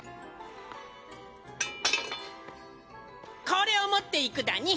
これを持っていくだに。